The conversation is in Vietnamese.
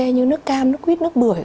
như nước cam nước quýt nước bưởi